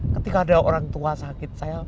ketika ada orang tua sakit saya